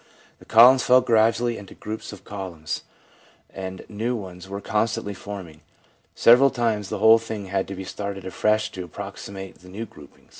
The columns fell gradually into groups of columns, and new ones were constantly form ing. Several times the whole thing had to be started afresh to approximate the new groupings.